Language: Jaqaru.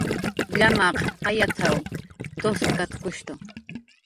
"Llamaq jayat""w t""uskatkushtu"